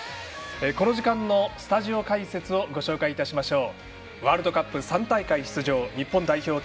この時間のスタジオ解説をご紹介いたしましょう。